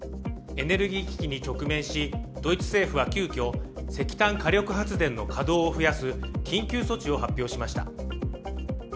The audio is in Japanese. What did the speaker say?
エネルギー危機に直面しドイツ政府は急きょ、石炭火力発電の稼働を増やす緊急措置を発表しました。